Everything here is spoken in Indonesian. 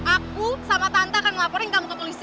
aku sama tante akan melaporin kamu ke polisi